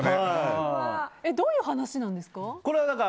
どういう話なんですか？